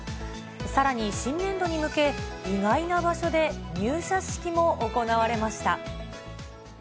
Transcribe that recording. さらに新年度に向け、意外な場所で入社式も行われました。